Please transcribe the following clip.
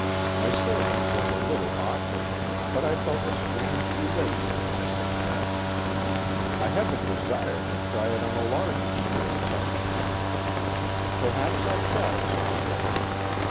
My servant was a little awkward, but I felt a strange elation at my success. I have a desire to try it on a larger scale some time. Perhaps I shall some day.